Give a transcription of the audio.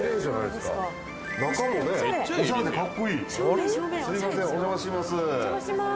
すいませんお邪魔します。